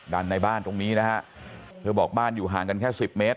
ในบ้านตรงนี้นะฮะเธอบอกบ้านอยู่ห่างกันแค่สิบเมตร